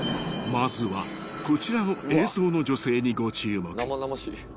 ［まずはこちらの映像の女性に］